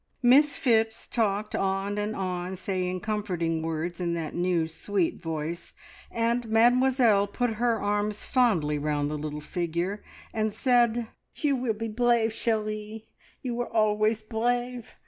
Miss Phipps talked on and on, saying comforting words in that new sweet voice, and Mademoiselle put her arms fondly round the little figure and said "You will be brave, cherie. You are always brave!